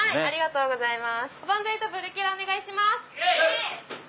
ありがとうございます。